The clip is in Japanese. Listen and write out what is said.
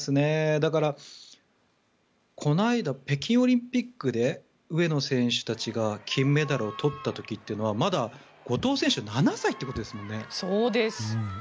だから、この間北京オリンピックで上野選手たちが金メダルを取った時というのはまだ後藤選手は７歳っていうことですもんね。